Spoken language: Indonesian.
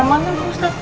kamar mana pak ustadz